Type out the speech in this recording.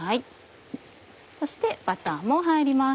そしてバターも入ります。